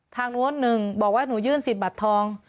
โน้นหนึ่งบอกว่าหนูยื่นสิทธิ์บัตรทอง